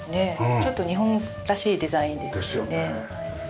ちょっと日本らしいデザインですよね。